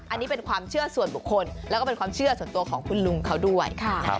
อันนี้เป็นความเชื่อส่วนบุคคลแล้วก็เป็นความเชื่อส่วนตัวของคุณลุงเขาด้วย